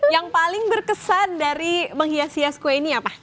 yang paling berkesan dari menghias hias kue ini apa